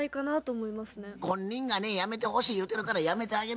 本人がねやめてほしい言うてるからやめてあげる。